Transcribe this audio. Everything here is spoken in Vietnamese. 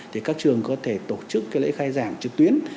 thì các trường có thể tổ chức lễ khai giảng trực tuyến